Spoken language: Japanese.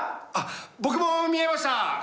僕も見えました。